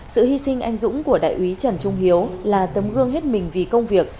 sự hy sinh anh dũng của đại úy trần trung hiếu là tấm gương hết mình vì công việc